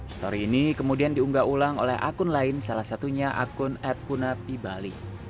story ini kemudian diunggah ulang oleh akun lain salah satunya akun ad punapi bali